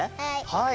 はい。